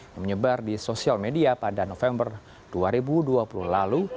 yang menyebar di sosial media pada november dua ribu dua puluh lalu